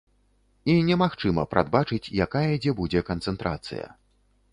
І немагчыма прадбачыць якая дзе будзе канцэнтрацыя.